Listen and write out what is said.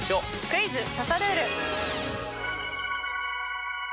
クイズ刺さルール！